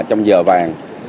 trong giờ vàng